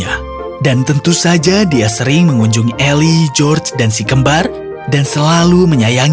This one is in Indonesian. maka elsa mulai tinggal bersama sama